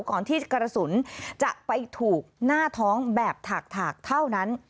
ก่อนที่กระสุนจะไปถูกหน้าท้องแบบถากเท่านั้น